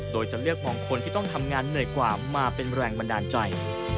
โดยจะเลือกมองคนที่ต้องทำงานเหนื่อยกว่ามาเป็นแรงบันดาลใจ